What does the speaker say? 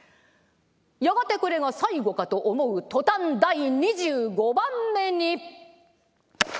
やがてこれが最後かと思う途端第２５番目に。